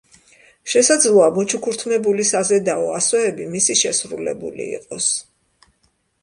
შესაძლოა მოჩუქურთმებული საზედაო ასოები მისი შესრულებული იყოს.